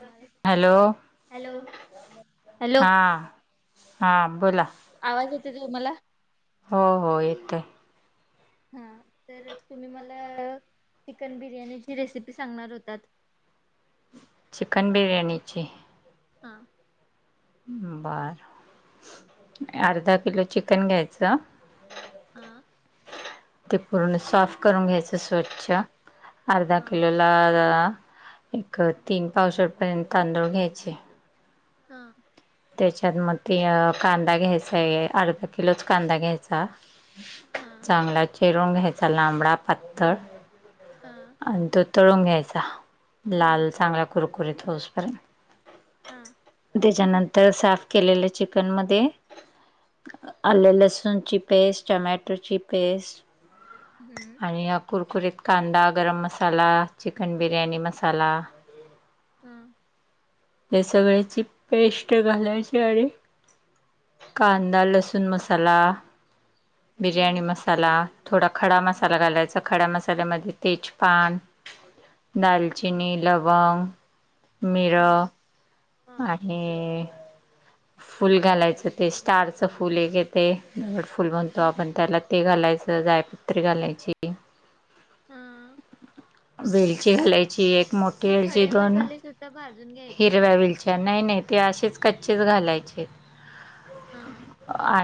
तुम्हाला hello hello hello हा हा बोला. त तुम्हाला? हो हो येतय. हम्. तर तुम्ही मला चिकन बिर्याणीची रेसिपी सांगणार होतात. चिकन बिर्याणीची? हा. बर अर्धा किलो चिकन घ्यायचं. हम. ते पूर्ण साफ करून घ्यायचं स्वच्छ अर्धा हा किलो ला एक तीन पावशेर पर्यंत तांदळ घ्यायचे. हा. त्याच्यात मग, ते कांदा घ्यायचा आहे अर्धा किलोच कांदा घ्यायचा. हा चांगला चिरून घ्यायचा लांबडा पातळ हा आणि तो तळून घ्यायचा हा लाल चांगल्या कुरकुरीतऊसपर्यंत. हम. तर साफ केलेल्या चिकन मध्ये आले लसूणची पेस्ट, टमॅटोची पेस्ट हम्म आणि या कुरकुरीत कांदा गरम मसाला, चिकन बिरयाणी मसाला हम्म. हे सगळ्याची पेस्ट घालायचे आणि कांदा लसूण मसाला बिर्याणी हम्म मसाला, थोडा खडा हा मसाला घालायचा. खडा मसाल्यामध्ये तेजपान, हा दालचिनी, लवंग मिरं हा हा आणि फुल घालायचं ते स्टारच फुल एक येते फुल म्हणतो हा आपण त्याला ते घालायच जायपत्री घालायची. हा वेलची घालायची एक मोठी एक वेलची खडे दोन मसाले सुटं भाज हिरव्या वेलच्या, नाही नाही ते असेच कच्चेच घालायचे. हम् हम्.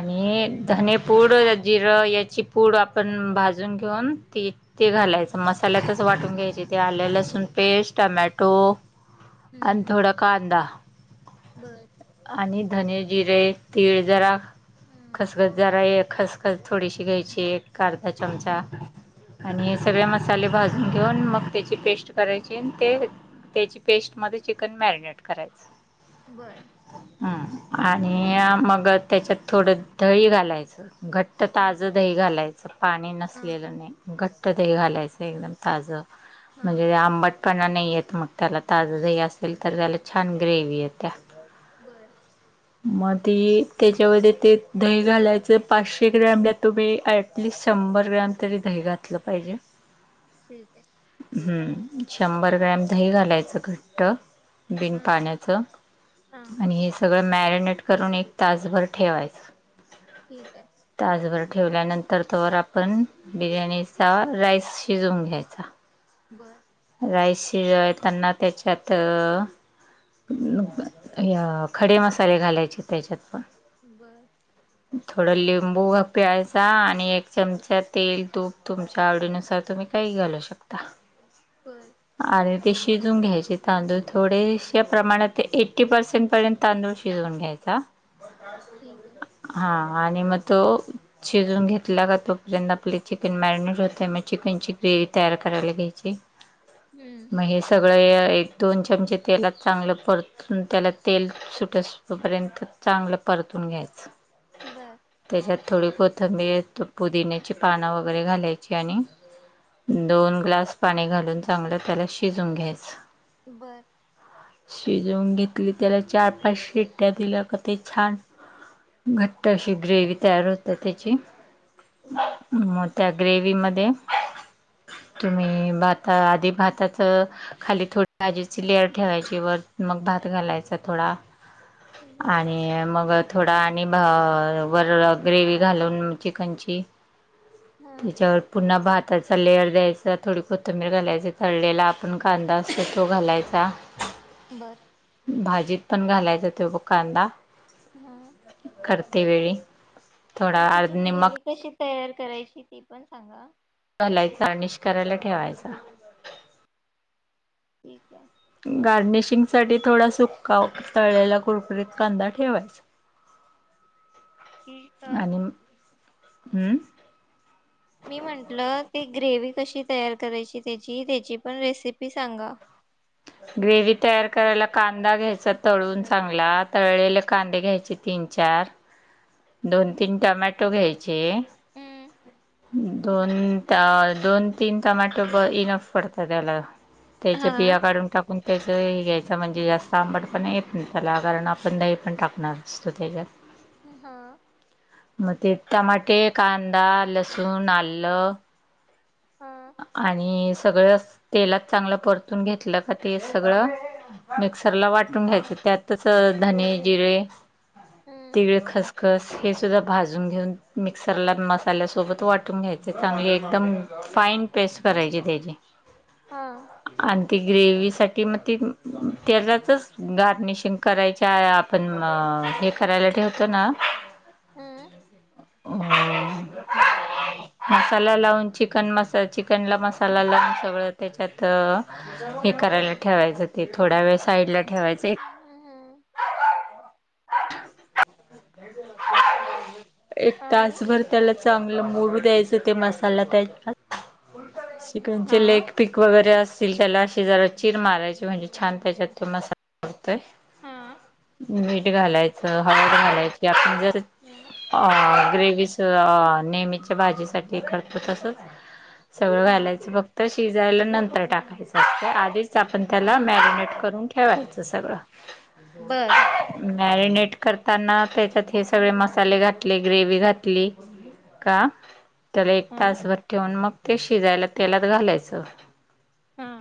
आणि धनेपूड, जिरं याची पूड आपण भाजून घेऊन ते घा लायच मसाल्यातच वाटून घ्यायचे ते आलं लसूण ठीक आहे पेस्ट, टमॅटो आणि हम्म थोडा कांदा. बर. आणि धने, जिरे, तीळ जरा हम्म खसखस जरा खसखस थोडीशी घ्यायची एक अर्धा चमचा हा आणि हे सगळे मसाले भाजून घेऊन मग त्याची पेस्ट करायची ते त्याची पेस्ट मध्ये चिकन मॅरिनेट करायचं. बरं. ह आणि मग त्याच्यात थोडं दही घालायचं. घट्ट हा ताजं दही घालायचं पाणी हा नसलेलं नाही घट्ट दही हा घालायचं एकदम. ताज हा म्हणजे आंबटपणा नाही येत मग त्याला ताजं दही अस सेल तर त्याला छान ग्रेवी येत्या. बर म ती त्याच्यामध्ये ते दही घालायचं पाचशे ग्रॅमला तुम्ही ॲटलिस्ट शंभर ग्रॅम तरी दही घातलं पाहिजे. ठीक आहे. हम्म शंभर ग्रॅम दही घालायचं घट्ट. बिन हा पाण्याच हा आणि हे सगळं मॅरिनेट करून एक तासभर ठेवायच. ठीक आहे. ठेवल्यानंतर तोवर आपण बिर्याणीचा राईस शिजवून घ्यायचा. बरं राईस शिजवाय त्यांना त्याच्यात खडे मसाले घालायचे त्याच्यात पण बर. थोडं लिंबू पिळायचा आणि एक चमचा तेल तूप तुमच्या आवडीनुसार तुम्ही काही घालू शकता, बर आणि ते शिजून घ्यायचे तांदूळ थोडेशे प्रमाणात ते एट्टी पर्सेंट पर्यंत तांदूळ शिजून घ्यायचा. ठीक आहे हा आणि मग तो शिजवुन घेतला का तोपर्यंत आपले चिकन मॅरिनेट होतय मग चिकनची ग्रे वी तयार करायला घ्यायची. हम्म मग हे सगळं एक दोन चमचे तेलात चांगलं परतून त्याला तेल सुटसं तोपर्यंत चांगलं परतून घ्यायचं. बर. त्याच्यात थोडी कोथंबीर त पुदिन्याची पानं वगैरे घालायची आणि दोन ग्लास पाणी घालून चांगलं त्याला शिजवुन घ्यायचं. बर. शिजवून घेतली त्याला चार पाच शिट्टया दिल्या का ते छान. घट्ट अशी ग्रेवी तयार होते त्याची. बर. मग त्या ग्रेवी मधे, तुम्ही भात. तर आधी भाताचं खाली भाजीची लेअर ठेवायची वर मग भात घालायचा थोडा. बर आणि मग थोडा आणि वर ग्रेवी घालून चिकनची हा त्याच्यावर पुन्हा भाताचा लेअर द्यायचा थोडी कोथंबीर घालायच तळलेला आप आपण कांदा असतो तो घालायचा. बर भाजीत पण घालायचा त्यो बघ कांदा. हा. तीवेळी, थोडा आणि [unintelligible] त्याची निमक. ग्रेवी कशी तयार करायची ती पण सांगा. घालायचा गार्निश करायला ठेवायचा. ठीक आहे. गार्निशिंग साठी थोडा सुका तळलेला कुरकुरीत कांदा ठेवायचा. [inaudible] आणि [unintelligible] हम्म. मी म्हंटलं ती ग्रेव्ही कशी तयार करायची त्याची त्याची पण रेसिपी सांगा. [inaudible] ग्रेव्ही तयार करायला कांदा घ्यायचा तळून चांगला तळलेले कांदे घ्यायचे तीन. चार, दोन तीन टमॅटो घ्यायचे. हम्म. दोन, दोन तीन टमाॅटो ब इनफ पडतात त्याला. हा त्याच्या बिया काढून टाक पण त्याचं हे घ्यायचं म्हणजे जास्त आंबाटपना येत नाही त्याला कारण आपण दही पण टाकणार असतो त्याच्यात. हा. मग ते टमाटे, कांदा, लसूण, आलं. हा सगळंच तेलात चांगलं परतून घेतलं का ते सगळं मिक्सरला वाटून घ्यायचं. त्यातच धने, जिरे, हम्म तीळ, खस खस हे सुद्धा भाजून घेऊन मिक्सरला मसाल्यासोबत वाटून घ्यायचे चांगले एकदम फाईन पेस्ट करायची त्याची. हा. आणि ती ग्रेवीसाठी मग ती त्याच्यातच गार्निशिंग करायच्या आपण म हे करायला ठेवतो ना. हम्म मसाला लावून चि चिकन मसा चिकनला मसाला लावून सगळं त्याच्यात हे करायला ठेवायचं ते. थोड्या वेळ साईड ला ठेवायचं एक हम्म एक आणि तासभर त्याला चांगलं मूरु द्यायच ते मसाला त्याच्यात हा चिकनचे लेग पीक वगैरे असतील त्याला. ते जरा चिर मारायचे म्हणजे छान त्याच्यात तो मसाला [unintelligible] हा मीठ घालायचं हळद घालायची आपण जर अ ग्रेवीस नेहमीच्या भाजीसाठीही करतो तसंच सगळं हा घालायचं. तर शिजायला नंतर टाकायचं असते आधीच आपण त्याला हा मॅरिनेट करून ठेवायचं सगळं. बर मॅरिनेट करताना त्याच्यात हे सगळे मसाले घातले, ग्रेवी घातली का? त्याला एक हा तासभर ठेवून, मग ते शिजायला तेलात घालायचं. हा!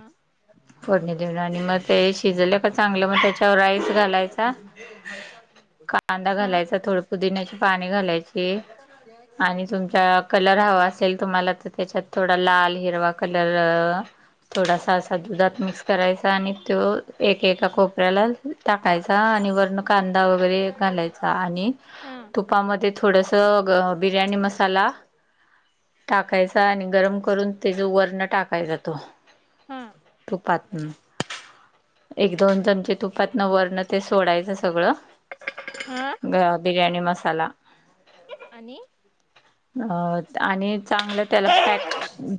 फोडणी देऊन आणि मग ते शिजलं का चांगलं, मग त्याच्यावर राईस घालायचा [unintelligible] कांदा घालायचा थोडं पुदिन्याची पाने घालायची आणि तुमच्या कलर हवा असेल तुम्हाला तर त्याच्यात थोडा लाल, हिरवा, कलर थोडासा असा दुधात मिक्स करायचा, आणि तो एकेका कोपऱ्याला टाकायचा आणि वरणं कांदा वगैरे घालायचा आणि हा तुपामध्ये थोडसं बिर्याणी मसाला टाकायचा आणि गरम करून, त्याचं वर्ण टाकायचा तो हा तूपात ना एक दोन चमचे तुपातनं वरण ते सोडायचं सगळं. हं! ग बिर्याणी मसाला. आणि? आणि चांगलं त्याला पॅक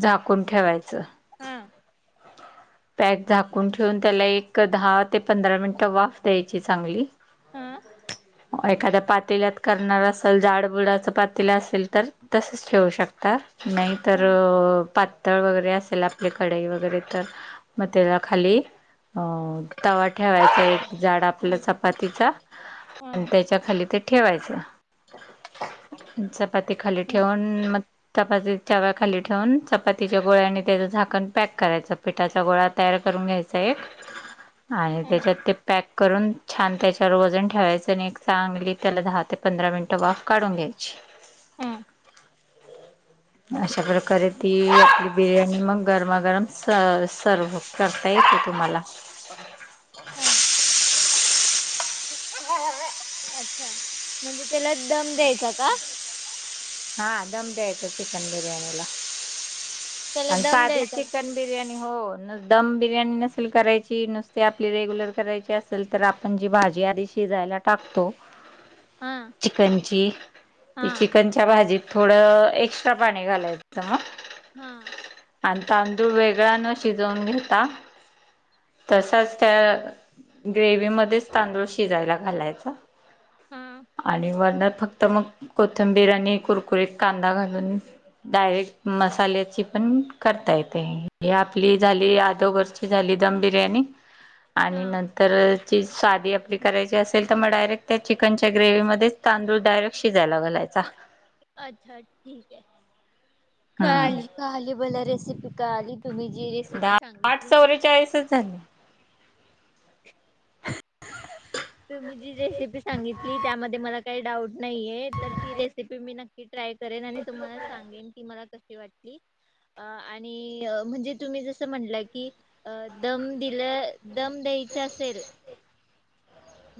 झाकून ठेवायचं. हा [inaudible] पॅक झाकून ठेवून त्याला एक दहा, ते पंधरा मिनिटं वाफ दयाची चांगली. हा [inaudible] एखाद्या पातील्यात करणार असल जाड बुडाच पतिले असेल तर, तसंच ठेवू शकता. नाही हा तर अ पातळ वगैरे असेल आपली कढई वगैरे तर मग त्या खाली अ तवा ठेवायचा एक जाड आपला ह चपातीचा हा आणि त्याच्या खाली ते ठेवायचं. चपाती खाली ह ठेवून मग. चपातीच्या तव्या खाली ठेवून चपातीच्या गोळ्या नी त्याच झाकण पॅक करायचं पिठाचा गोळा तयार करू घायचां एक आणि ह त्याच्यात ते पॅक करून छान त्याच्या वर वजन ठेवायचं न एक चांगली त्याला दहा ते पंधरा मिनट वाफ काढून घ्यायची. ह [inaudible] अशा प्रकारे ती आपली बिर्याणी मग गरमा, गरम सर, सर्व करता येते तुम्हाला. हूं! अच्छा म्हणजे त्याला दम द्यायचा का? हां दम द्यायचं चिकन बिर्याणीला. त्याला आणि दम साधीच द्यायचा का? चिकन बिर्याणी हो न दम बिर्याणी नसेल करायची, नुसती आपली रेगुलर करायची असेल तर आपण जी भाजी आधी शिजा याला टाकतो हा चिकनची ती हा चिकनच्या भाजीत थोडं एक्स्ट्रा पाणी घालायचं म हा! आणि तांदूळ वेगळ न शिजवून घेता तसाच त्या ग्रेवी मध्येच तांदूळ शिजायला घालायचा हा आणि वनात. फक्त मग कोथंबीर आणि कुरकुरीत कांदा घालून डायरेक्ट मसाल्याची पण करता येते हे आपली झाली अदोगरची झाली दम बिर्याणी आणि हा नंतर, ची साधी आपली करायची असेल तर मगडायरेक्ट त्या चिकनच्या ग्रेव्हीमध्येच तांदूळ डायरेक्ट शिजयला घालायचां चां अच्छा ठीक आहे कलाली, हम्म कलाली मला रेसिपी कलाली. तुम्ही जी रेसिपी दहा आठ सांगितली [unintelligible] ह [inaudible] [inaudible] रेसिपी सांगितली त्यामध्ये मला काही डाऊट नाहीे हे तर ती रेसिपी मी नक्क की ट्राय करेन आणि तुम्हाला, सांगेन कि मला कशी वाटली. अ आणि म्हणजे तुम्ही जसं म्हंटलं की अ दम दिल दम दे तीचअसेल.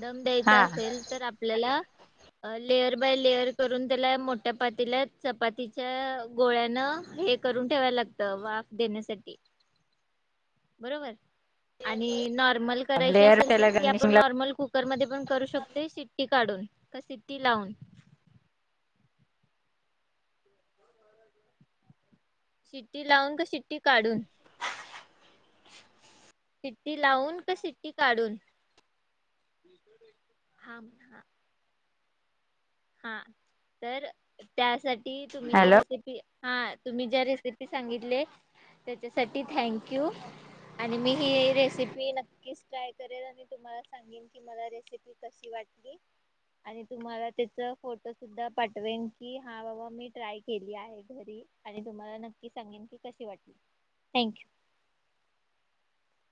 दम दयचा असेल तर आपल्याला. ह, [inaudible] लेयर बाय लेयर करून त्याला मोठ्या पातेल्यात. चपातीच्या गोळ्यानं हे. करून ठेवायला लागत वाफ देण्यासाठी. ह [inaudible] बरोबर आणि नॉर्मल करायची लेअर असेल. त्याला तर ती आपण गार्निशिंगला नॉर्मल, कुकरमध्येध्ये पण करू शकते सिट्टी, काढून का सिट्टी लावून. शिट्टी लावून का शिट्टी काढून? सिट्टी लावून का सिट्टी काढून? हा हा. हा तर त्यासाठी तुम्ही जे हॅलो रेसिपी हा. तुम्ही ज्या रेसिपी सांगितले. त्याच्यासाठी थँक यू आणि मी ही. रेसिपी नक्कीच ट्राय करेल आणि तुम्हाला तुम्हाला सांगेन मला रेसिपी कसी वाटली आणि तुम्हाला त्याच फोटो सुद्धा पाठवेन, की हा बाबा मी ट्राय केली आहे घरी आणि तुम्हाला नक्क की सांगेन की कशी वाटली थँंक यू. ह [inaudible]